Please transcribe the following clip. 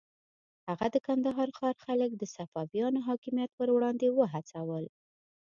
هغه د کندهار ښار خلک د صفویانو حاکمیت پر وړاندې وهڅول.